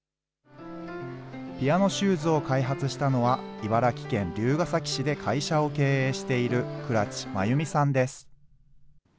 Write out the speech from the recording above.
ピアノシューズを開発したのは、茨城県龍ケ崎市で会社を経営している倉知真由美さんです。